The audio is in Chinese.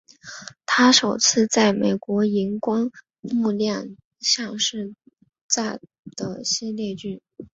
她首次在美国萤光幕亮相是在的系列剧。